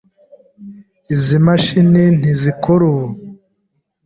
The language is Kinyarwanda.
Izi mashini ntizikora ubu.